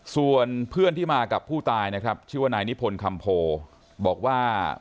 ส่วนเพื่อนที่มากับผู้ตายนะครับชื่อว่านายนิพนธ์คำโพบอกว่า